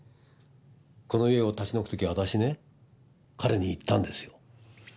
この家を立ち退く時私ね彼に言ったんですよ。